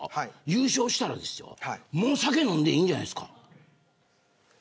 優勝したら、もう酒飲んでいいんじゃないんですか。